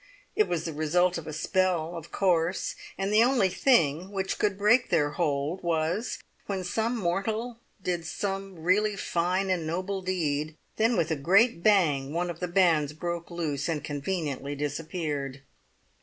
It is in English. It was the result of a spell, of course, and the only thing which could break their hold was when some mortal did some really fine and noble deed, then with a great bang one of the bands broke loose and conveniently disappeared.